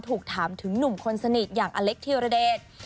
ถูกถามถึงหนุ่มคนสนิทอย่างอเล็กธิรเดช